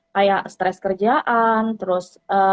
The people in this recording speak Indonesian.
kayak stres kerjaan terus